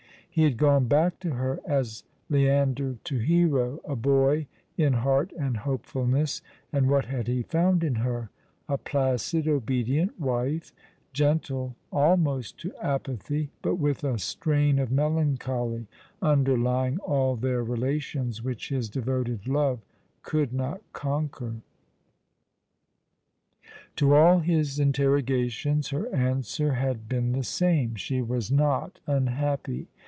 He had gone back to her as Leander to Hero, a boy in heart and hopefulness ; and what had he found in her ? A placid, obedient wife, gentle almost to apathy, but with a strain of melancholy underlying all their relations which his devoted love could not conquer. *' Of the Weak my Heart is Weakest.'' 00 To all his interrogations her answer had been the same. She was not unhappy.